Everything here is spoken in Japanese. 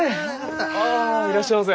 あいらっしゃいませ。